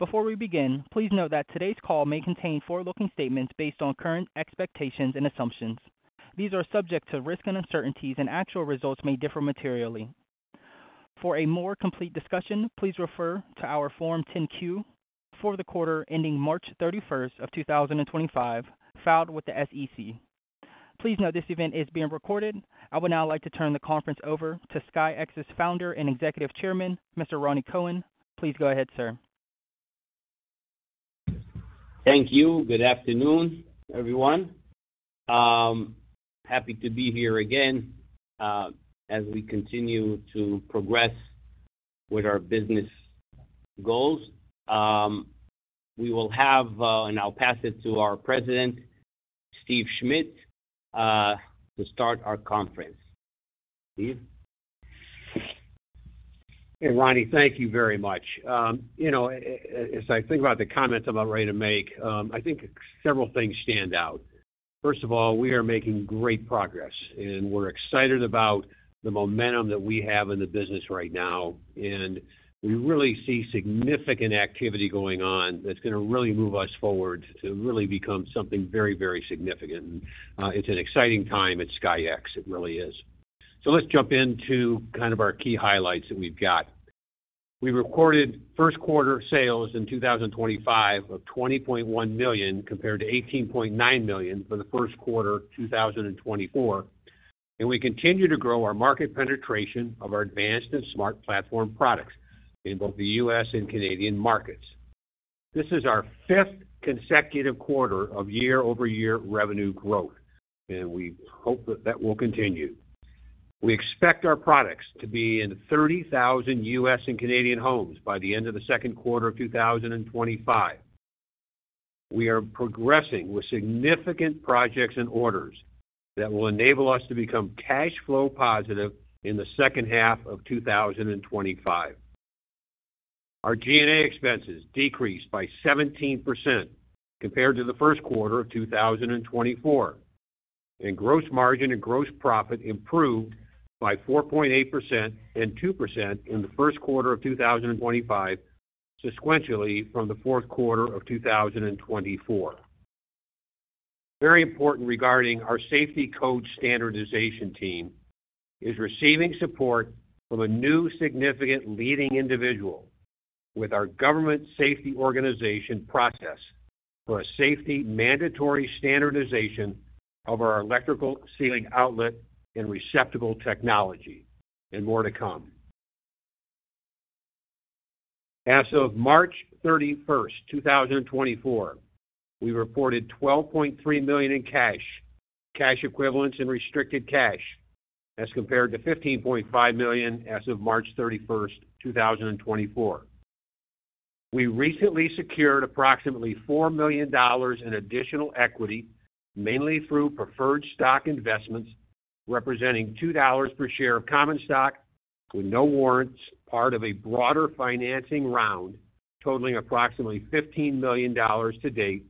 Before we begin, please note that today's call may contain forward-looking statements based on current expectations and assumptions. These are subject to risk and uncertainties, and actual results may differ materially. For a more complete discussion, please refer to our Form 10-Q for the quarter ending March, 31st of 2025, filed with the SEC. Please note this event is being recorded. I would now like to turn the conference over to SKYX's Founder and Executive Chairman, Mr. Rani Kohen. Please go ahead, sir. Thank you. Good afternoon, everyone. Happy to be here again, as we continue to progress with our business goals. We will have, and I'll pass it to our President, Steve Schmidt, to start our conference. Steve? Hey, Rani, thank you very much. You know, as I think about the comments I'm about ready to make, I think several things stand out. First of all, we are making great progress, and we're excited about the momentum that we have in the business right now. We really see significant activity going on that's gonna really move us forward to really become something very, very significant. It's an exciting time at SKYX. It really is. Let's jump into kind of our key highlights that we've got. We recorded first-quarter sales in 2025 of $20.1 million compared to $18.9 million for the first quarter of 2024. We continue to grow our market penetration of our advanced and smart platform products in both the U.S. and Canadian markets. This is our fifth consecutive quarter of year-over-year revenue growth, and we hope that that will continue. We expect our products to be in 30,000 U.S. and Canadian homes by the end of the second quarter of 2025. We are progressing with significant projects and orders that will enable us to become cash flow positive in the second half of 2025. Our G&A expenses decreased by 17% compared to the first quarter of 2024, and gross margin and gross profit improved by 4.8% and 2% in the first quarter of 2025, sequentially from the fourth quarter of 2024. Very important regarding our safety code standardization team is receiving support from a new significant leading individual with our government safety organization process for a safety mandatory standardization of our electrical ceiling outlet and receptacle technology, and more to come. As of March 31st, 2024, we reported $12.3 million in cash, cash equivalents, and restricted cash as compared to $15.5 million as of March 31st, 2024. We recently secured approximately $4 million in additional equity, mainly through preferred stock investments representing $2 per share of common stock with no warrants, part of a broader financing round totaling approximately $15 million to date,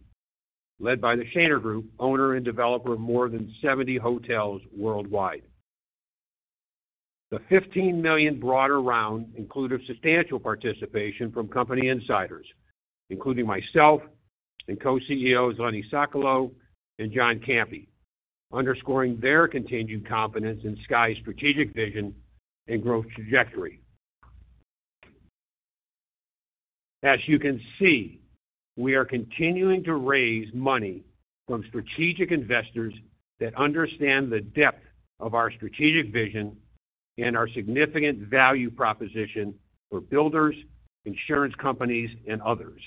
led by the Shaner Group, owner and developer of more than 70 hotels worldwide. The $15 million broader round included substantial participation from company insiders, including myself and Co-CEOs Lenny Sokolow and John Campi, underscoring their continued confidence in SKYX's strategic vision and growth trajectory. As you can see, we are continuing to raise money from strategic investors that understand the depth of our strategic vision and our significant value proposition for builders, insurance companies, and others.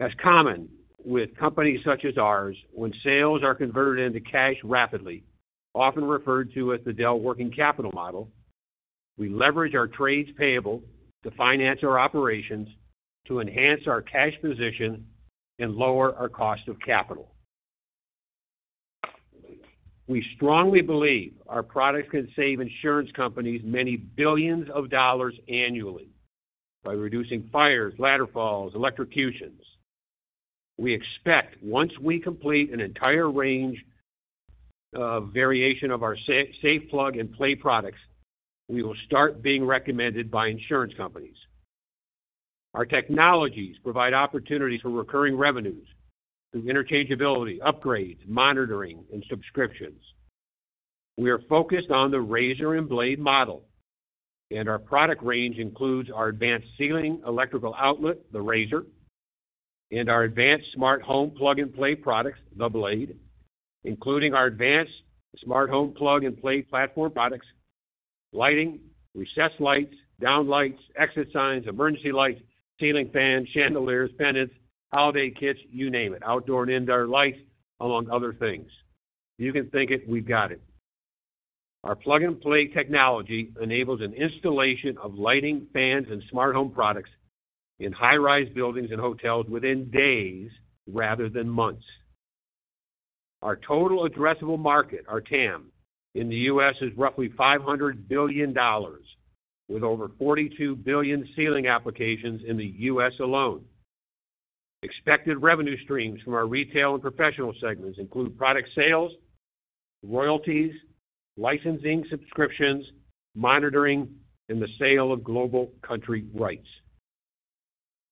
As common with companies such as ours, when sales are converted into cash rapidly, often referred to as the Dell Working Capital model, we leverage our trades payable to finance our operations to enhance our cash position and lower our cost of capital. We strongly believe our products can save insurance companies many billions of dollars annually by reducing fires, ladder falls, and electrocutions. We expect once we complete an entire range of variation of our safe plug and play products, we will start being recommended by insurance companies. Our technologies provide opportunities for recurring revenues through interchangeability, upgrades, monitoring, and subscriptions. We are focused on the Razor and Blade model, and our product range includes our advanced ceiling electrical outlet, the Razor, and our advanced smart home plug and play products, the Blade, including our advanced smart home plug and play platform products, lighting, recessed lights, downlights, exit signs, emergency lights, ceiling fans, chandeliers, pendants, holiday kits, you name it, outdoor and indoor lights, among other things. You can think it, we've got it. Our plug and play technology enables an installation of lighting, fans, and smart home products in high-rise buildings and hotels within days rather than months. Our total addressable market, our TAM in the U.S., is roughly $500 billion, with over 42 billion ceiling applications in the U.S. alone. Expected revenue streams from our retail and professional segments include product sales, royalties, licensing, subscriptions, monitoring, and the sale of global country rights.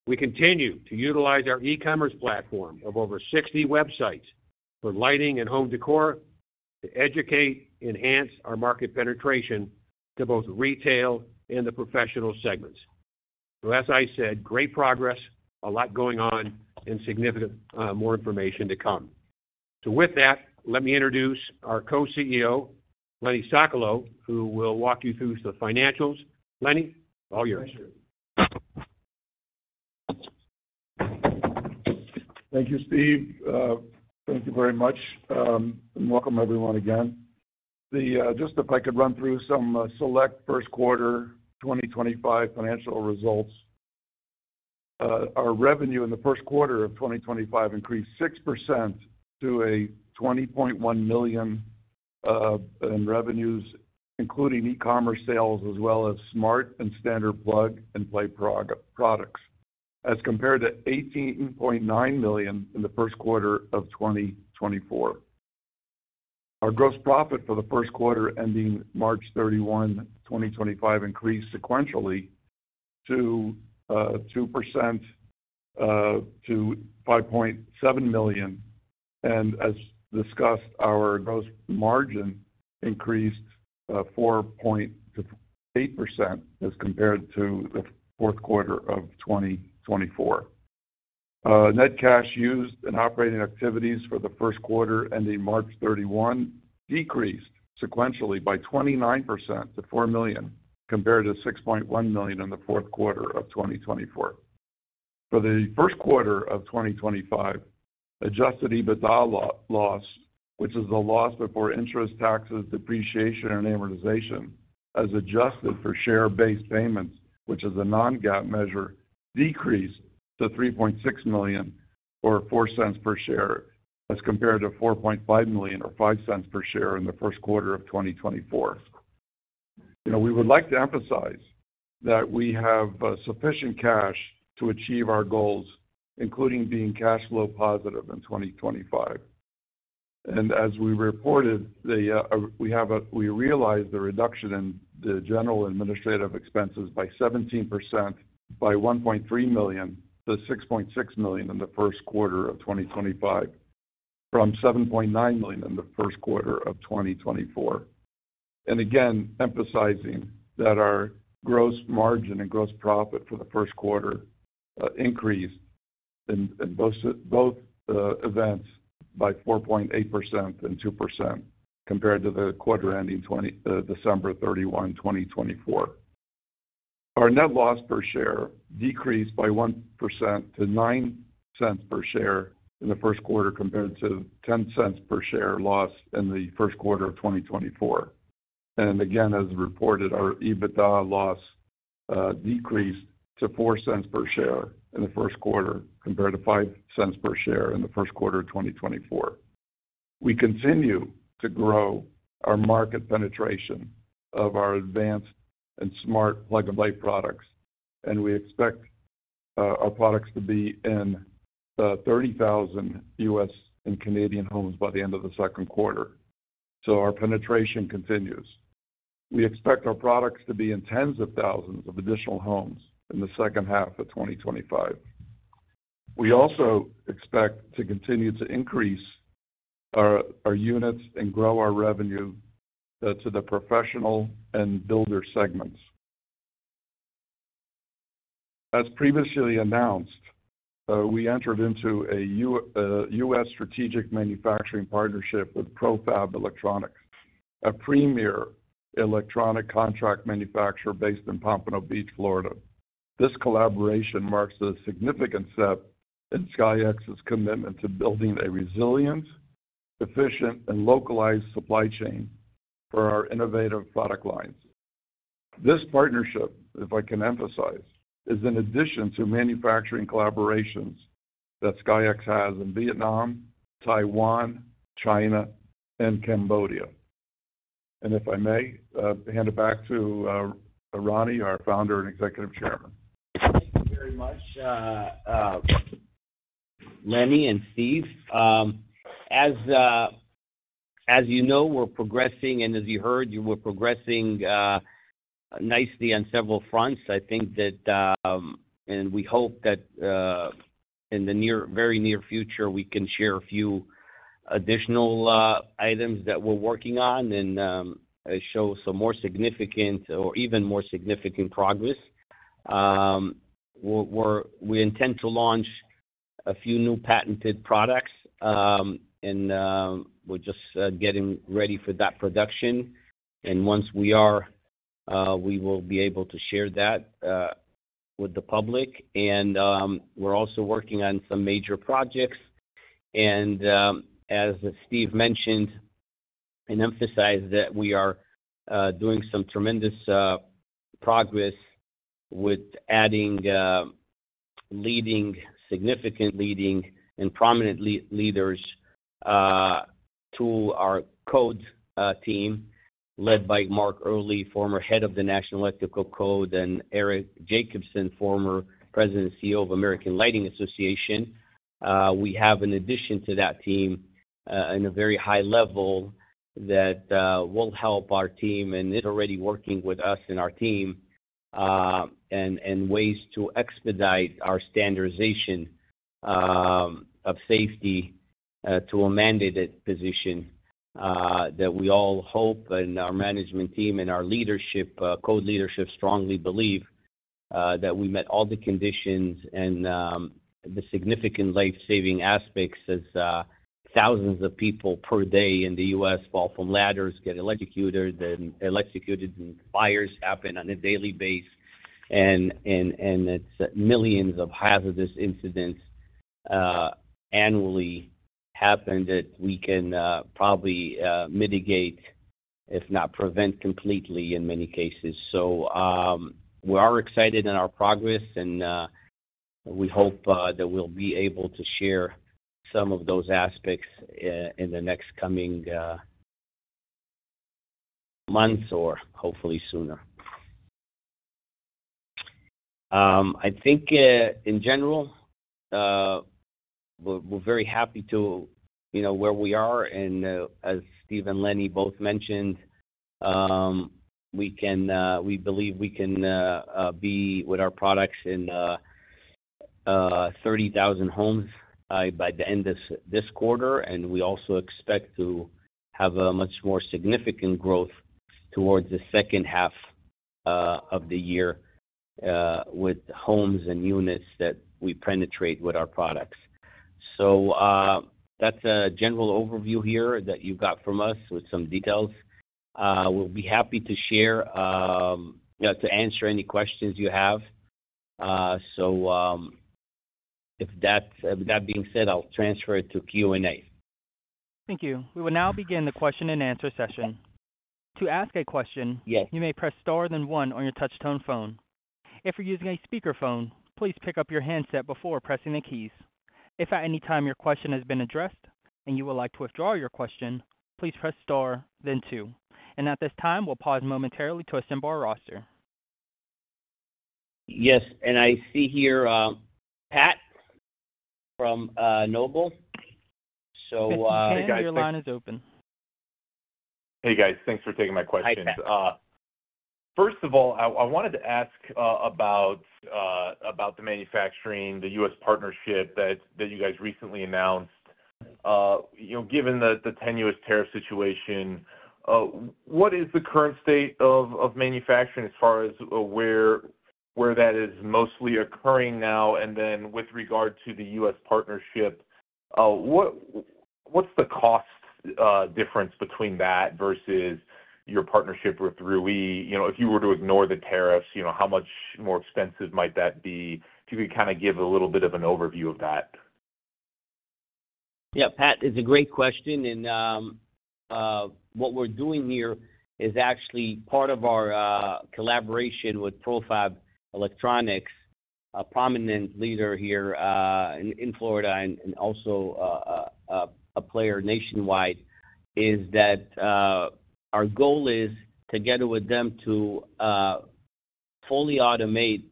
We continue to utilize our e-commerce platform of over 60 websites for lighting and home decor to educate, enhance our market penetration to both retail and the professional segments. As I said, great progress, a lot going on, and significant, more information to come. With that, let me introduce our Co-CEO, Lenny Sokolow, who will walk you through the financials. Lenny, all yours. Thank you, Steve. Thank you very much. And welcome everyone again. The, just if I could run through some select first quarter 2025 financial results. Our revenue in the first quarter of 2025 increased 6% to $20.1 million in revenues, including e-commerce sales as well as smart and standard plug and play products, as compared to $18.9 million in the first quarter of 2024. Our gross profit for the first quarter ending March 31, 2025, increased sequentially, 2%, to $5.7 million. And as discussed, our gross margin increased 4.8% as compared to the fourth quarter of 2024. Net cash used in operating activities for the first quarter ending March 31 decreased sequentially by 29% to $4 million compared to $6.1 million in the fourth quarter of 2024. For the first quarter of 2025, Adjusted EBITDA loss, which is the loss before interest, taxes, depreciation, and amortization, as adjusted for share-based payments, which is a non-GAAP measure, decreased to $3.6 million or $0.04 per share as compared to $4.5 million or $0.05 per share in the first quarter of 2024. You know, we would like to emphasize that we have sufficient cash to achieve our goals, including being cash flow positive in 2025. As we reported, we realized the reduction in the general administrative expenses by 17% by $1.3 million to $6.6 million in the first quarter of 2025, from $7.9 million in the first quarter of 2024. Again, emphasizing that our gross margin and gross profit for the first quarter increased in both events by 4.8% and 2% compared to the quarter ending December 31, 2024. Our net loss per share decreased by 1% to $0.09 per share in the first quarter compared to $0.10 per share loss in the first quarter of 2024. As reported, our EBITDA loss decreased to $0.04 per share in the first quarter compared to $0.05 per share in the first quarter of 2024. We continue to grow our market penetration of our advanced and smart plug and play products, and we expect our products to be in 30,000 U.S. and Canadian homes by the end of the second quarter. Our penetration continues. We expect our products to be in tens of thousands of additional homes in the second half of 2025. We also expect to continue to increase our units and grow our revenue to the professional and builder segments. As previously announced, we entered into a U.S. strategic manufacturing partnership with ProFab Electronics, a premier electronic contract manufacturer based in Pompano Beach, Florida. This collaboration marks a significant step in SKYX's commitment to building a resilient, efficient, and localized supply chain for our innovative product lines. This partnership, if I can emphasize, is in addition to manufacturing collaborations that SKYX has in Vietnam, Taiwan, China, and Cambodia. If I may, hand it back to Rani, our Founder and Executive Chairman. Thank you very much, Lenny and Steve. As you know, we're progressing, and as you heard, we're progressing nicely on several fronts. I think that, and we hope that, in the very near future, we can share a few additional items that we're working on and show some more significant or even more significant progress. We intend to launch a few new patented products, and we're just getting ready for that production. Once we are, we will be able to share that with the public. We're also working on some major projects. As Steve mentioned and emphasized, we are doing some tremendous progress with adding significant leading and prominent leaders to our code team led by Mark Earley, former head of the National Electrical Code, and Eric Jacobson, former President and CEO of American Lighting Association. We have, in addition to that team, on a very high level that will help our team and is already working with us and our team, and ways to expedite our standardization of safety to a mandated position that we all hope and our management team and our leadership, code leadership, strongly believe that we met all the conditions and the significant life-saving aspects as thousands of people per day in the U.S. fall from ladders, get electrocuted, and fires happen on a daily basis. It's millions of hazardous incidents annually happen that we can probably mitigate, if not prevent completely in many cases. We are excited in our progress, and we hope that we'll be able to share some of those aspects in the next coming months or hopefully sooner. I think, in general, we're very happy to, you know, where we are. And, as Steve and Lenny both mentioned, we believe we can be with our products in 30,000 homes by the end of this quarter. We also expect to have a much more significant growth towards the second half of the year, with homes and units that we penetrate with our products. That's a general overview here that you got from us with some details. We'll be happy to share, to answer any questions you have. With that being said, I'll transfer it to Q&A. Thank you. We will now begin the question and answer session. To ask a question, you may press star then one on your touch-tone phone. If you're using a speakerphone, please pick up your handset before pressing the keys. If at any time your question has been addressed and you would like to withdraw your question, please press star then two. At this time, we'll pause momentarily to assemble our roster. Yes. I see here, Pat from Noble. Okay. Your line is open. Hey, guys. Thanks for taking my question. Hey, Pat. First of all, I wanted to ask about the manufacturing, the U.S. partnership that you guys recently announced. You know, given the tenuous tariff situation, what is the current state of manufacturing as far as where that is mostly occurring now? And then with regard to the U.S. partnership, what's the cost difference between that versus your partnership with Roy? You know, if you were to ignore the tariffs, you know, how much more expensive might that be? If you could kind of give a little bit of an overview of that. Yeah, Pat, it's a great question. What we're doing here is actually part of our collaboration with ProFab Electronics, a prominent leader here in Florida and also a player nationwide, is that our goal is together with them to fully automate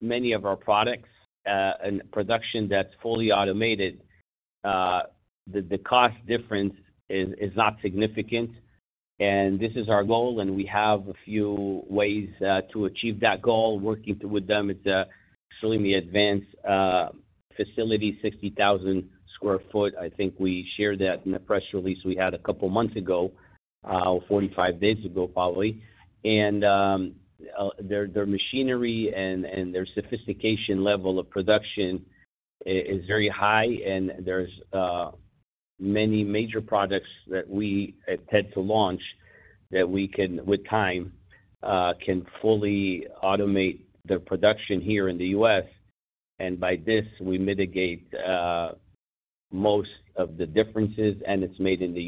many of our products and production that's fully automated. The cost difference is not significant. This is our goal, and we have a few ways to achieve that goal. Working with them, it's an extremely advanced facility, 60,000 sq ft. I think we shared that in the press release we had a couple months ago, or 45 days ago, probably. Their machinery and their sophistication level of production is very high. There are many major products that we intend to launch that we can, with time, fully automate their production here in the U.S. By this, we mitigate most of the differences and it's made in the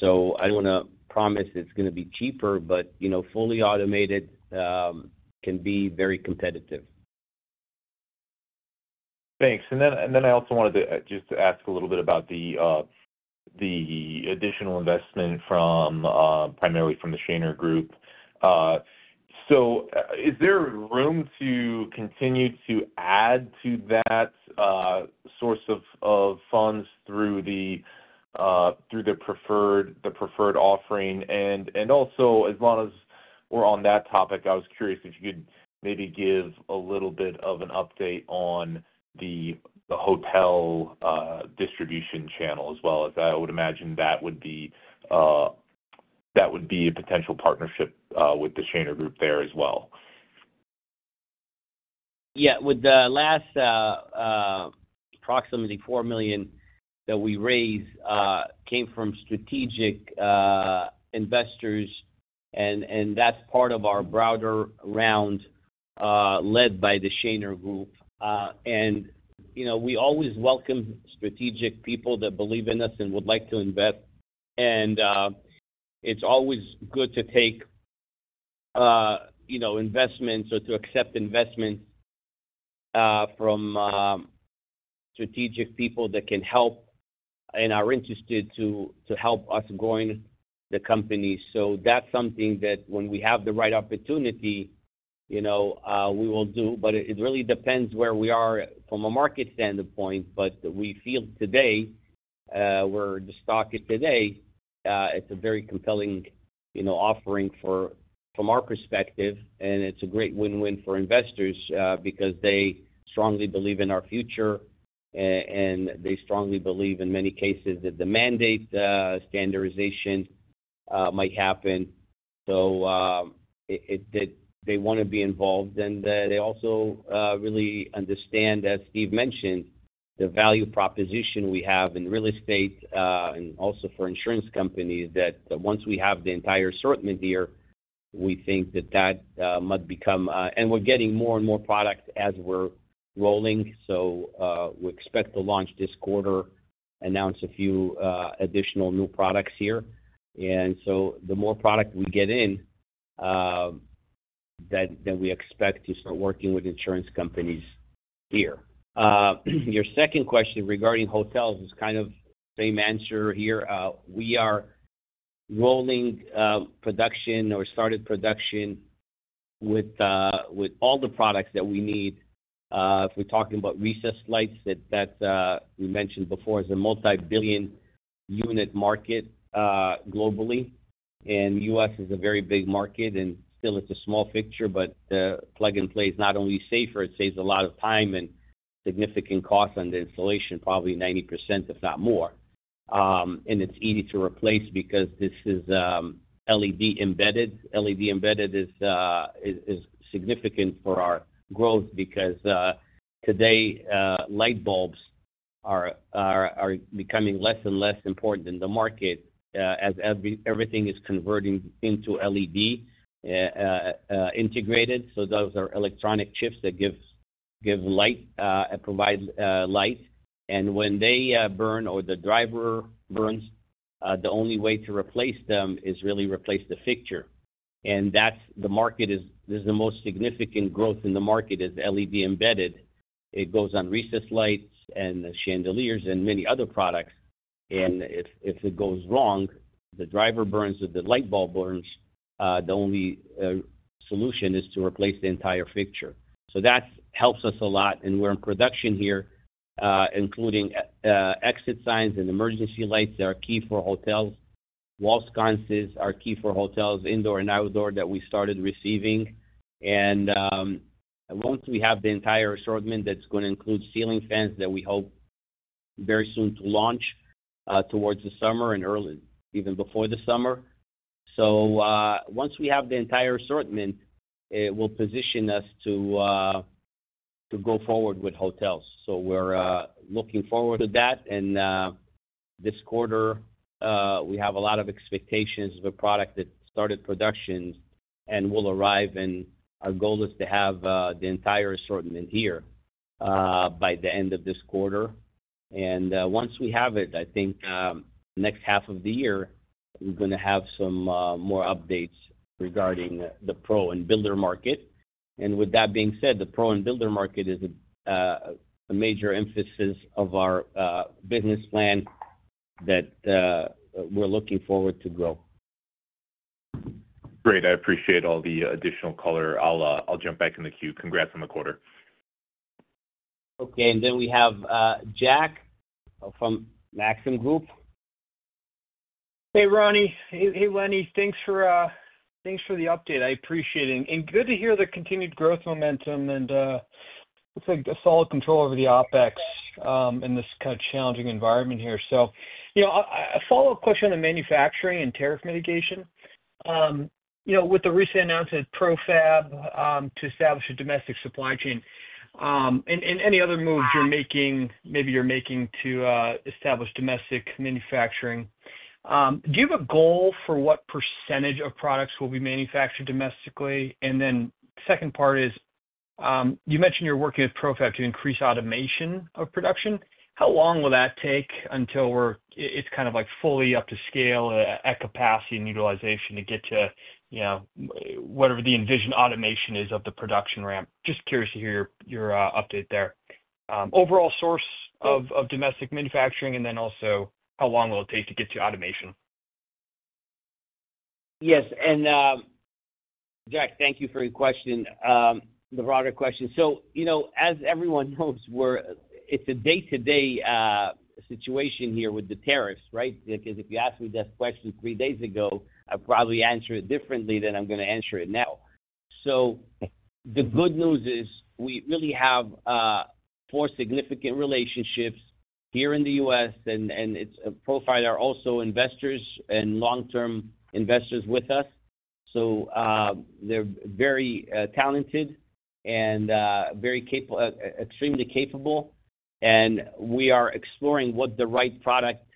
U.S. I don't wanna promise it's gonna be cheaper, but, you know, fully automated, can be very competitive. Thanks. And then, I also wanted to just to ask a little bit about the additional investment from, primarily from the Shaner Group. Is there room to continue to add to that source of funds through the preferred, the preferred offering? And also, as long as we're on that topic, I was curious if you could maybe give a little bit of an update on the hotel distribution channel as well. As I would imagine that would be a potential partnership with the Shaner Group there as well. Yeah. With the last, approximately $4 million that we raised, came from strategic investors. And, and that's part of our broader round, led by the Shaner Group. You know, we always welcome strategic people that believe in us and would like to invest. It's always good to take, you know, investments or to accept investments, from strategic people that can help and are interested to, to help us growing the company. That is something that when we have the right opportunity, you know, we will do. It really depends where we are from a market standpoint. We feel today, where the stock is today, it's a very compelling, you know, offering from our perspective. It's a great win-win for investors, because they strongly believe in our future, and they strongly believe in many cases that the mandate, standardization, might happen. It, it, they wanna be involved. And, they also really understand, as Steve mentioned, the value proposition we have in real estate, and also for insurance companies that once we have the entire assortment here, we think that might become, and we're getting more and more products as we're rolling. We expect to launch this quarter, announce a few additional new products here. The more product we get in, that, that we expect to start working with insurance companies here. Your second question regarding hotels is kind of same answer here. We are rolling, production or started production with, with all the products that we need. If we're talking about recessed lights, that, that we mentioned before is a multi-billion unit market, globally. The U.S. is a very big market, and still it's a small fixture, but the plug and play is not only safer, it saves a lot of time and significant cost on the installation, probably 90% if not more. It's easy to replace because this is LED embedded. LED embedded is significant for our growth because today, light bulbs are becoming less and less important in the market, as everything is converting into LED integrated. Those are electronic chips that give light, provide light. When they burn or the driver burns, the only way to replace them is really to replace the fixture. That is the most significant growth in the market, LED embedded. It goes on recessed lights and chandeliers and many other products. If it goes wrong, the driver burns or the light bulb burns, the only solution is to replace the entire fixture. That helps us a lot. We are in production here, including exit signs and emergency lights that are key for hotels. Wall sconces are key for hotels, indoor and outdoor, that we started receiving. Once we have the entire assortment, that is going to include ceiling fans that we hope very soon to launch, towards the summer and even before the summer. Once we have the entire assortment, it will position us to go forward with hotels. We are looking forward to that. This quarter, we have a lot of expectations of a product that started production and will arrive. Our goal is to have the entire assortment here by the end of this quarter. Once we have it, I think, next half of the year, we're gonna have some more updates regarding the pro and builder market. With that being said, the pro and builder market is a major emphasis of our business plan that we're looking forward to grow. Great. I appreciate all the additional color. I'll jump back in the queue. Congrats on the quarter. Okay. And then we have Jack from Maxim Group. Hey, Rani. Thanks for the update. I appreciate it. Good to hear the continued growth momentum and looks like a solid control over the OpEx in this kind of challenging environment here. You know, a follow-up question on the manufacturing and tariff mitigation. You know, with the recent announcement of ProFab to establish a domestic supply chain, and any other moves you're making, maybe you're making to establish domestic manufacturing, do you have a goal for what percentage of products will be manufactured domestically? The second part is, you mentioned you're working with ProFab to increase automation of production. How long will that take until it's kind of like fully up to scale, at capacity and utilization to get to, you know, whatever the envisioned automation is of the production ramp? Just curious to hear your update there.overall source of, of domestic manufacturing and then also how long will it take to get to automation? Yes. Jack, thank you for your question, the broader question. You know, as everyone knows, it's a day-to-day situation here with the tariffs, right? If you asked me this question three days ago, I'd probably answer it differently than I'm gonna answer it now. The good news is we really have four significant relationships here in the U.S. ProFab are also investors and long-term investors with us. They're very talented and very capable, extremely capable. We are exploring what the right product is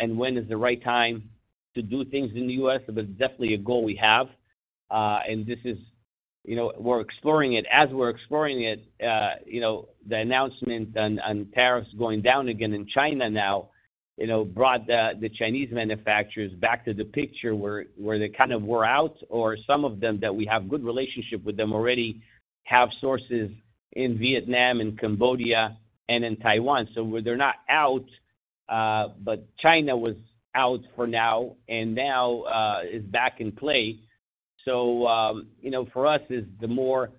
and when is the right time to do things in the U.S. It's definitely a goal we have, and this is, you know, we're exploring it. As we're exploring it, you know, the announcement on tariffs going down again in China now, you know, brought the Chinese manufacturers back to the picture where they kind of were out or some of them that we have good relationship with them already have sources in Vietnam and Cambodia and in Taiwan. So where they're not out, but China was out for now and now is back in play. You know, for us, it's the more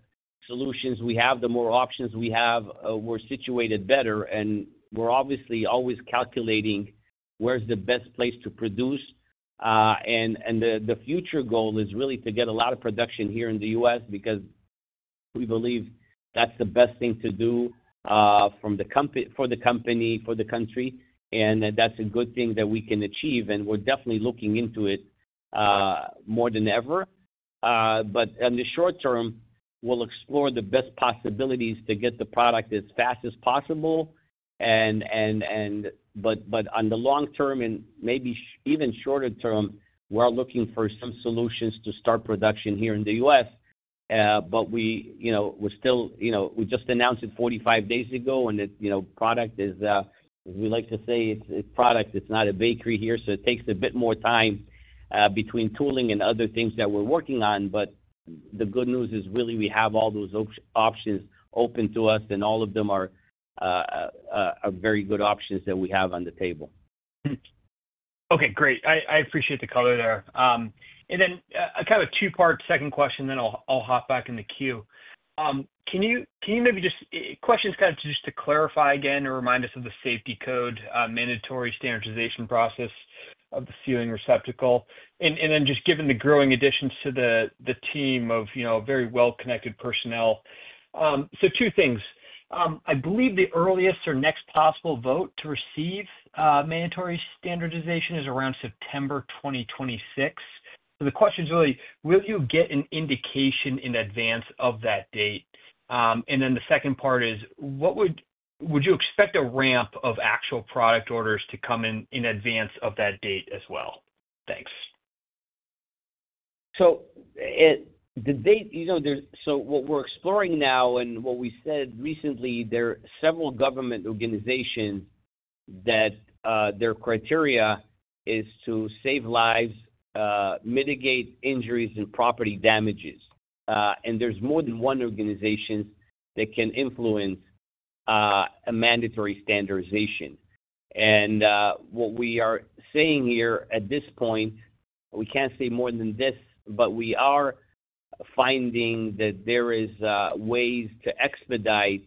solutions we have, the more options we have, we're situated better. We're obviously always calculating where's the best place to produce, and the future goal is really to get a lot of production here in the U.S. because we believe that's the best thing to do, from the company, for the company, for the country. That's a good thing that we can achieve. We're definitely looking into it, more than ever. In the short term, we'll explore the best possibilities to get the product as fast as possible. In the long term, and maybe even shorter term, we're looking for some solutions to start production here in the US. We just announced it 45 days ago. Product is, we like to say, it's product. It's not a bakery here, so it takes a bit more time, between tooling and other things that we're working on. The good news is really we have all those options open to us, and all of them are very good options that we have on the table. Okay. Great. I appreciate the color there. And then, a kind of two-part second question, then I'll hop back in the queue. Can you maybe just, questions kind of just to clarify again or remind us of the safety code, mandatory standardization process of the ceiling receptacle? And then just given the growing additions to the team of, you know, very well-connected personnel. So two things. I believe the earliest or next possible vote to receive mandatory standardization is around September 2026. So the question's really, will you get an indication in advance of that date? And then the second part is, what would you expect, would you expect a ramp of actual product orders to come in, in advance of that date as well? Thanks. It the date, you know, there's so what we're exploring now and what we said recently, there are several government organizations that, their criteria is to save lives, mitigate injuries, and property damages. There's more than one organization that can influence a mandatory standardization. What we are saying here at this point, we can't say more than this, but we are finding that there is ways to expedite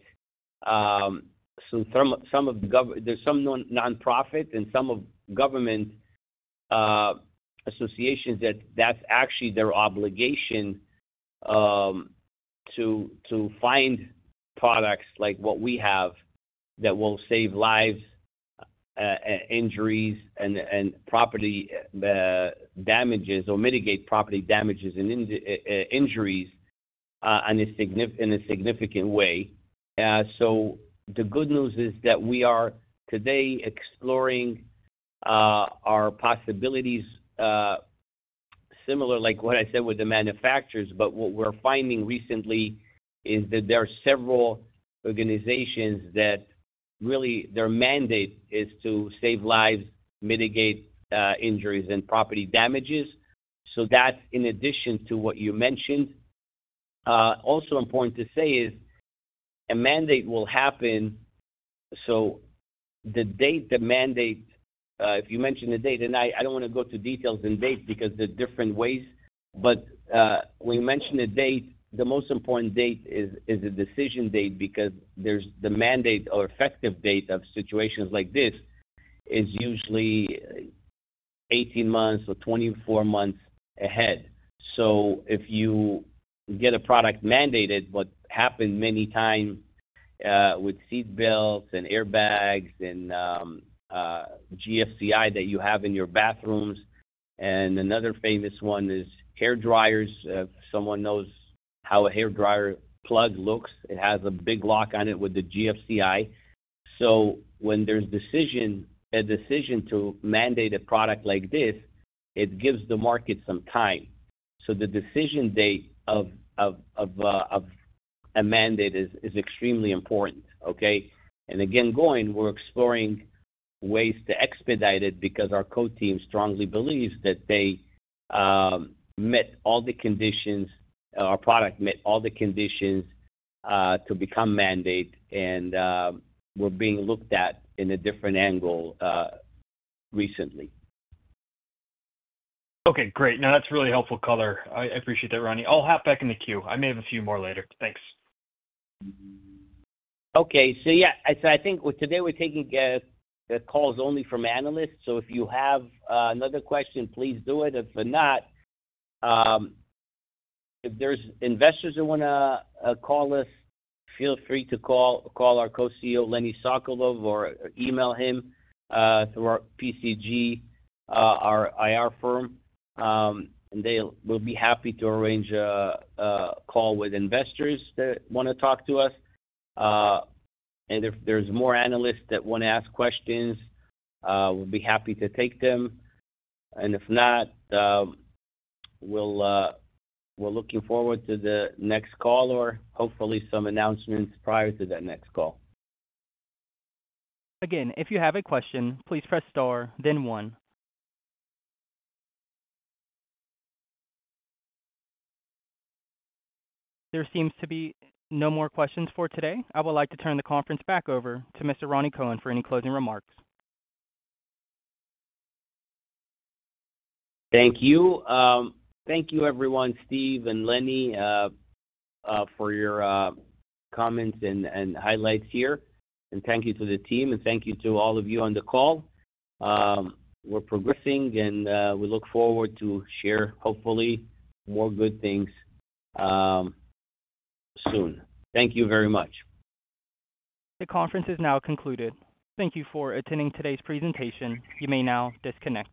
some of the gov, there's some non-profit and some government associations that that's actually their obligation to find products like what we have that will save lives, injuries, and property damages or mitigate property damages and injuries in a significant way. The good news is that we are today exploring our possibilities, similar like what I said with the manufacturers. What we're finding recently is that there are several organizations that really their mandate is to save lives, mitigate injuries, and property damages. That is in addition to what you mentioned. Also important to say is a mandate will happen. The date the mandate, if you mentioned the date, and I, I don't want to go to details and dates because there's different ways. But, when you mention the date, the most important date is a decision date because there's the mandate or effective date of situations like this is usually 18 months or 24 months ahead. If you get a product mandated, what happened many times, with seat belts and airbags and GFCI that you have in your bathrooms. Another famous one is hair dryers. Someone knows how a hair dryer plug looks. It has a big lock on it with the GFCI. When there's a decision to mandate a product like this, it gives the market some time. The decision date of a mandate is extremely important. Okay? Again, we're exploring ways to expedite it because our co-team strongly believes that they met all the conditions, our product met all the conditions, to become mandate. We're being looked at in a different angle recently. Okay. Great. No, that's really helpful color. I appreciate that, Rani. I'll hop back in the queue. I may have a few more later. Thanks. Okay. Yeah, I think today we're taking calls only from analysts. If you have another question, please do it. If not, if there are investors that want to call us, feel free to call our Co-CEO, Leonard Sokolow, or email him through our PCG, our IR firm, and they will be happy to arrange a call with investors that want to talk to us. If there are more analysts that want to ask questions, we'll be happy to take them. If not, we're looking forward to the next call or hopefully some announcements prior to that next call. Again, if you have a question, please press star, then one. There seems to be no more questions for today. I would like to turn the conference back over to Mr. Rani Kohen for any closing remarks. Thank you. Thank you everyone, Steve and Lenny, for your comments and highlights here. Thank you to the team. Thank you to all of you on the call. We're progressing and we look forward to share, hopefully, more good things soon. Thank you very much. The conference is now concluded. Thank you for attending today's presentation. You may now disconnect.